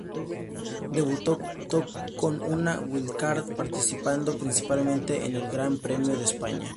Debutó con una wildcard participando principalmente en el Gran Premio de España.